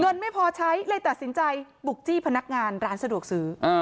ไม่พอใช้เลยตัดสินใจบุกจี้พนักงานร้านสะดวกซื้อ